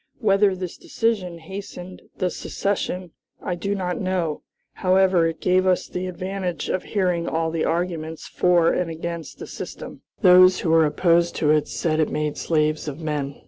Whether this decision hastened the secession I do not know; however, it gave us the advantage of hearing all the arguments for and against the system. Those who were opposed to it said it made slaves of men.